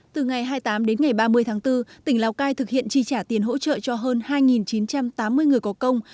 từ ngày hai mươi tám đến ngày ba mươi tháng bốn tỉnh lào cai thực hiện chi trả tiền hỗ trợ cho hơn hai chín trăm tám mươi người có công